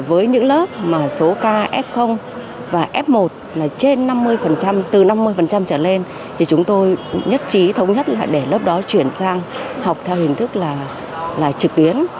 với những lớp mà số ca f và f một là trên năm mươi từ năm mươi trở lên thì chúng tôi nhất trí thống nhất là để lớp đó chuyển sang học theo hình thức là trực tuyến